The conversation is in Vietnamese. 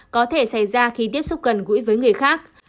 có thể xảy ra khi tiếp xúc gần gũi với người khác